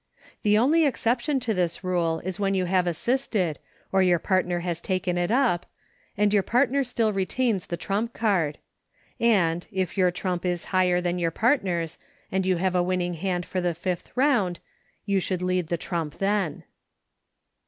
The only exception to this rule is when you have as sisted — or your partner has taken it up — and your partner still retains the trump card ; and, if your trump is higher than your partner's, and you have a winning card for the fifth round, you should lead the trump then.